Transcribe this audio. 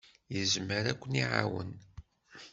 Yezmer ad ken-iɛawen.